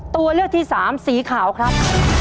ตัวเลือกที่สามสีขาวครับ